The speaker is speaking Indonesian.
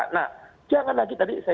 nah jangan lagi tadi saya